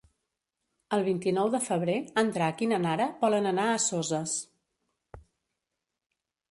El vint-i-nou de febrer en Drac i na Nara volen anar a Soses.